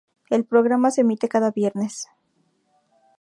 El programa se emite cada viernes.